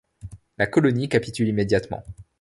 La colonie capitule immédiatement.